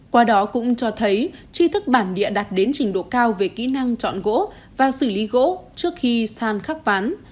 qua đó cũng cho thấy tri thức bản địa đạt đến trình độ cao về kỹ năng chọn gỗ và xử lý gỗ trước khi sàn khắc ván